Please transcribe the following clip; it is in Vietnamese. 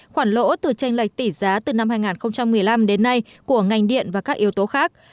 khoản lỗ từ tranh lệch tỷ giá từ năm hai nghìn một mươi năm đến nay của ngành điện và các yếu tố khác